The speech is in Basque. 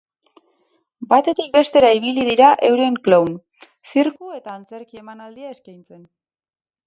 Batetik bestera ibili dira euren klown, zirku eta antzerki emanaldia eskaintzen.